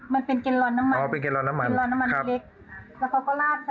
มันเป็นเกรนลอนน้ำมันอ๋อเป็นเกรนลอนน้ำมันน้ำมันเล็กครับ